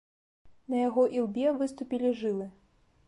На яго ілбе выступілі жылы.